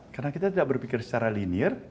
karena kita tidak berpikir secara linear